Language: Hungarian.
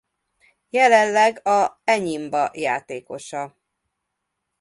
Jelenleg a Enyimba játékosa.